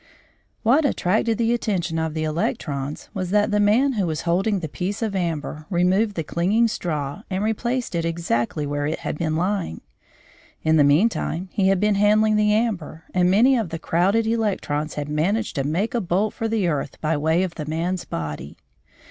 What attracted the attention of the electrons was that the man who was holding the piece of amber removed the clinging straw and replaced it exactly where it had been lying. In the meantime he had been handling the amber, and many of the crowded electrons had managed to make a bolt for the earth by way of the man's body.